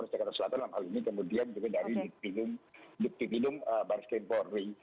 selatan lampaui lini kemudian juga dari duktinidung duktinidung baris kempore